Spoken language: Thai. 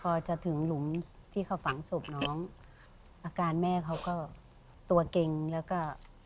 พอจะถึงหลุมที่เขาฝังศพน้องอาการแม่เขาก็ตัวเก่งแล้วก็